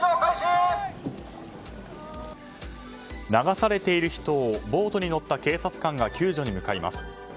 流されている人をボートに乗った警察官が救助に向かいます。